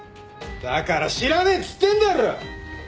だから知らねえっつってんだろ！